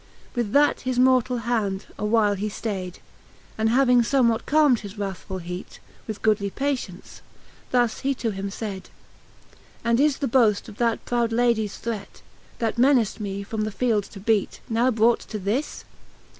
XL. With that his mortall hand a while he ftayd. And having fbmewhat calm'd his wrathfull heat With goodly patience, thus he to him faydj And is the boaft of that proud Ladies threat, That menaced me from the field to beat, Now brought to this?